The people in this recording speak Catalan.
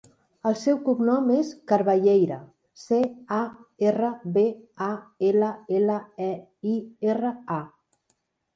El seu cognom és Carballeira: ce, a, erra, be, a, ela, ela, e, i, erra, a.